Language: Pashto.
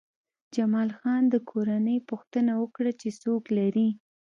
جمال خان د کورنۍ پوښتنه وکړه چې څوک لرې